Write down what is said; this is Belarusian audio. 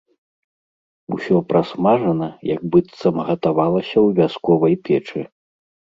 Усё прасмажана, як быццам гатавалася ў вясковай печы.